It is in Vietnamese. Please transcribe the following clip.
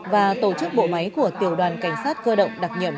và tổ chức bộ máy của tiểu đoàn cảnh sát cơ động đặc nhận